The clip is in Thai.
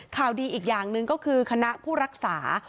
ข่าวดีอีกอย่างหนึ่งก็คือคณะผู้รักษา